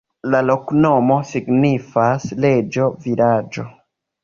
La loknomo signifas: reĝo-vilaĝo.